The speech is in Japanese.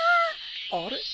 あれ？